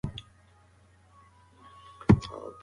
موږ خپل کلتوري غرور په خپله ژبه کې ساتو.